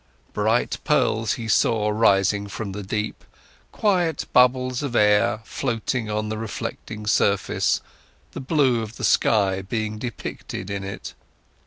Bright pearls he saw rising from the deep, quiet bubbles of air floating on the reflecting surface, the blue of the sky being depicted in it.